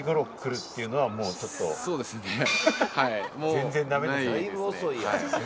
全然駄目ですね。